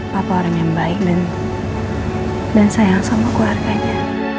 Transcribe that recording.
papa orang yang baik dan sayang sama keluarganya